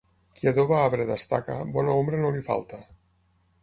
Qui adoba arbre d'estaca, bona ombra no li falta.